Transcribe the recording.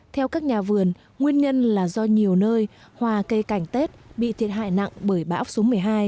theo các nhà vườn nguyên nhân là do nhiều nơi hoa cây cảnh tết bị thiệt hại nặng bởi bão số một mươi hai